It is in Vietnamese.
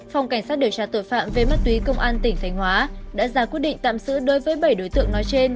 phòng cảnh sát điều tra tội phạm về ma túy công an tỉnh thành hóa đã ra quyết định tạm giữ đối với bảy đối tượng nói trên